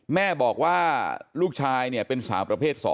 แม่บอกว่าลูกชายเป็นสาวประเภท๒